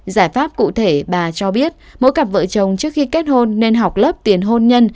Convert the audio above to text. giải pháp cụ thể bà cho biết mỗi cặp vợ chồng trước khi kết hôn nên học lớp tiền hôn nhân